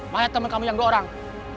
saya temen kamu yang dua orang